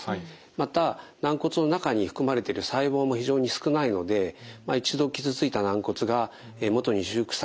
また軟骨の中に含まれている細胞も非常に少ないので一度傷ついた軟骨が元に修復されることは期待できません。